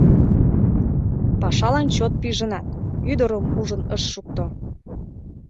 Пашалан чот пижынат, ӱдырым ужын ыш шукто.